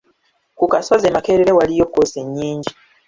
Ku kasozi e Makerere waliyo kkoosi nnyingi.